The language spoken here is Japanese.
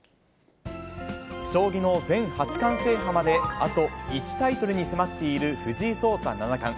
将棋の全八冠制覇まであと１タイトルに迫っている藤井聡太七冠。